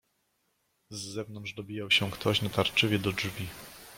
"Z zewnątrz dobijał się ktoś natarczywie do drzwi."